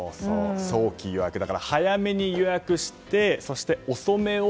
早期予約、早めに予約してそして、遅めを。